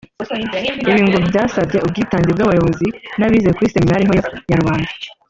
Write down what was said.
Ibi ngo byasabye ubwitange bw’abayobozi n’abize kuri Seminari nto ya Karubanda